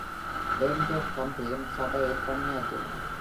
Lane York County இன் சபையில் பணியாற்றினார்.